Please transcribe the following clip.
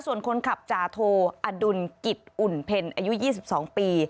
ส่วนคนขับจาโทอดุลกิตอุ่นเพ็นอายุยี่สิบสองปี